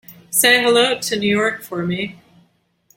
Say hello to New York for me.